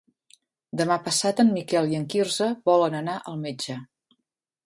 Demà passat en Miquel i en Quirze volen anar al metge.